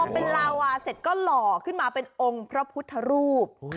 พอเป็นลาวาเสร็จก็หล่อขึ้นมาเป็นองค์พระพุทธรูป